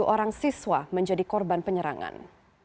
sepuluh orang siswa menjadi korban penyerangan